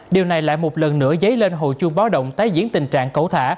điều này lại một lần nữa dấy lên hồ chuông báo động tái diễn tình trạng cẩu thả